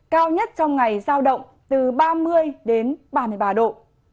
cao nhất trong ngày giao động từ ba mươi đến ba mươi ba độ